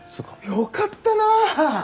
よかったな。